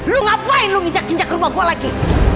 lu ngapain lu nginjak ginjak ke rumah gue lagi